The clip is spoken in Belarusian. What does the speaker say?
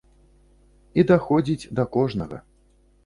І даходзіць да кожнага.